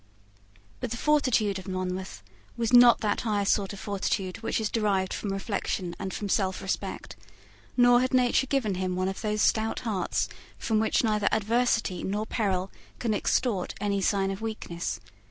But the fortitude of Monmouth was not that highest sort of fortitude which is derived from reflection and from selfrespect; nor had nature given him one of those stout hearts from which neither adversity nor peril can extort any sign of weakness.